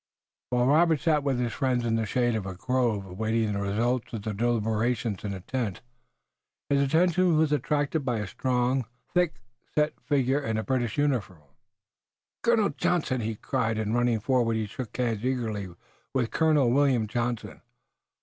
While Robert sat with his friends in the shade of a grove, awaiting the result of the deliberations in the tent, his attention was attracted by a strong, thick set figure in a British uniform. "Colonel Johnson!" he cried, and running forward he shook hands eagerly with Colonel William Johnson.